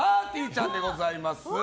ちゃんでございます。